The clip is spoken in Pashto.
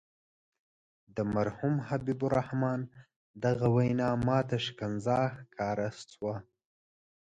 د مرحوم حبیب الرحمن دغه وینا ماته ښکنځا ښکاره شوه.